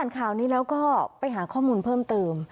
ดิฉัน๔๐๐๐นี้แล้วก็ไปหาข้อมูลเพิ่มเติม